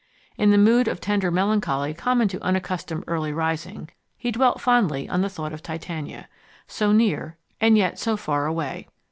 In the mood of tender melancholy common to unaccustomed early rising he dwelt fondly on the thought of Titania, so near and yet so far away.